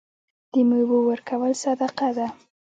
د میوو ورکول صدقه ده.